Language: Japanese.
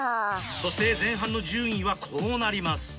そして前半戦の順位はこうなります。